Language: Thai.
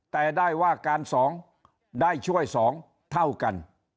แต่ได้ว่าการ๒ได้ช่วย๒เท่ากัน